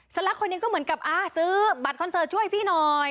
สัตว์ละคนนี้ก็เหมือนกับอ่าซื้อบัตรคอนเซิร์ตช่วยพี่หน่อย